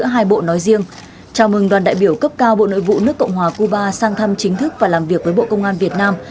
hai bộ nói riêng chào mừng đoàn đại biểu cấp cao bộ nội vụ nước cộng hòa cuba sang thăm chính thức và làm việc với bộ công an việt nam